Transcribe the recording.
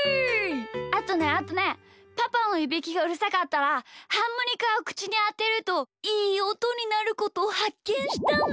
あとねあとねパパのいびきがうるさかったらハーモニカをくちにあてるといいおとになることをはっけんしたんだ。